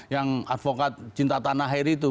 yang advokat cinta tanah air itu